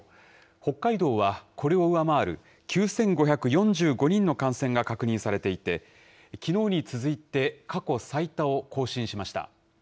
北海道はこれを上回る９５４５人の感染が確認されていて、きのうに続いて過去最多を更新しました。